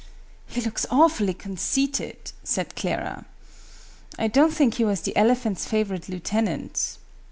"He looks awfully conceited!" said Clara. "I don't think he was the elephant's favorite Lieutenant.